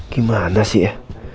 gimana sih ya